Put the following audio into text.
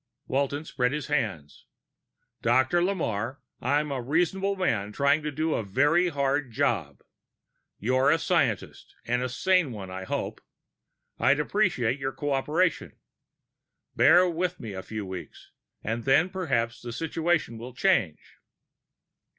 Walton spread his hands. "Dr. Lamarre, I'm a reasonable man trying to do a very hard job. You're a scientist and a sane one, I hope. I'd appreciate your cooperation. Bear with me a few weeks, and then perhaps the situation will change."